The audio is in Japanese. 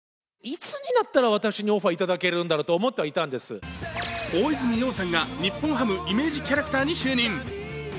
乳酸菌大泉洋さんが日本ハムイメージキャラクターに就任。